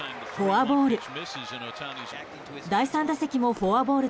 フォアボール。